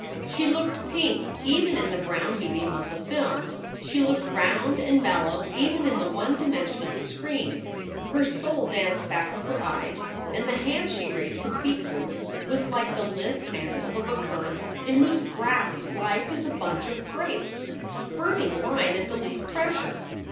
She looked pink even in the brown medium of the film. She looked round and mellow even in the one dimension of the screen. Her soul danced back of her eyes, and the hand she raised to peek through was like the lithe hand of a Bac chante in whose grasp life is but a bunch of grapes, spurting wine at the least pressure.